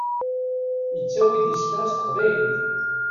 Yettawi-d isefra s teqbaylit.